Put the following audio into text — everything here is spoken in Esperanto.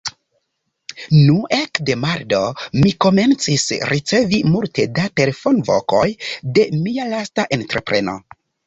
Nu, ekde Mardo, mi komencis ricevi multe da telefonvokoj de mia lasta entrepreno.